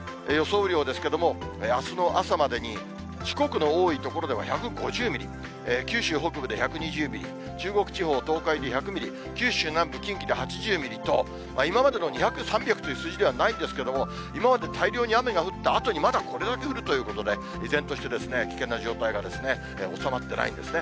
雨量ですけれども、あすの朝までに四国の多い所では１５０ミリ、九州北部で１２０ミリ、中国地方、東海で１００ミリ、九州南部、近畿で８０ミリと、今までの２００、３００という数字ではないんですけれども、今まで大量に雨が降ったあとに、まだこれだけ降るということで、依然として危険な状態が収まってないんですね。